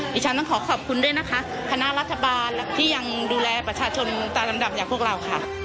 ดิฉันต้องขอขอบคุณด้วยนะคะคณะรัฐบาลที่ยังดูแลประชาชนตามลำดับอย่างพวกเราค่ะ